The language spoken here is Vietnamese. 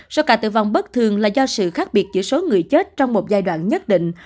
số ca tử vong bất thường là do sự khác biệt giữa số người chết trong một giai đoạn nhất định